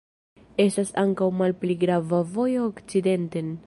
Estas ankaŭ malpli grava vojo okcidenten.